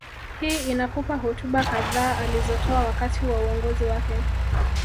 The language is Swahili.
Hii inakupa hotuba kadhaa alizotoa wakati wa uongozi wake